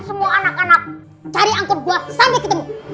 semua anak anak cari angkot gue sampai ketemu